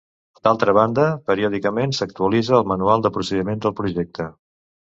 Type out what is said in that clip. D'altra banda, periòdicament s'actualitza el Manual de Procediment del Projecte.